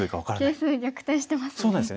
形勢逆転してますね。